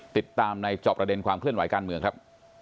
ติดตามในจอบประเด็นความเคลื่อนไหวการเมืองครับ